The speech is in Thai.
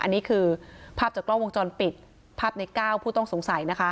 อันนี้คือภาพจากกล้องวงจรปิดภาพในก้าวผู้ต้องสงสัยนะคะ